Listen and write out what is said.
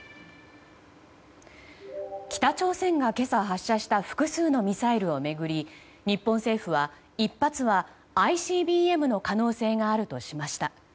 北朝鮮が今朝発射した複数のミサイルを巡り日本政府は１発は、ＩＣＢＭの可能性があるとしました。